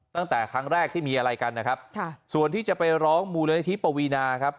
ตั้งแต่ครั้งแรกที่มีอะไรกันนะครับส่วนที่จะไปร้องมูลนิธิปวีนาครับ